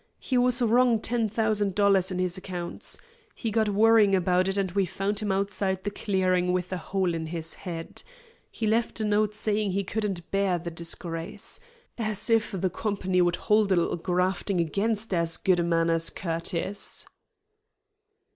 He was wrong ten thousand dollars in his accounts. He got worrying about it and we found him outside the clearing with a hole in his head. He left a note saying he couldn't bear the disgrace. As if the company would hold a little grafting against as good a man as Curtis!"